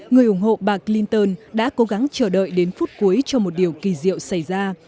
người ủng hộ bà clinton đã cố gắng chờ đợi đến phút cuối cho một điều kỳ diệu xảy ra